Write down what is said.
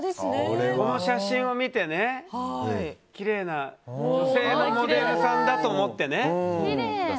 この写真を見てね、きれいな女性のモデルさんだと思ってね。